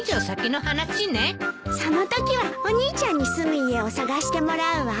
そのときはお兄ちゃんに住む家を探してもらうわ。